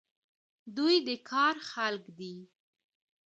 دوی د کار خلک دي.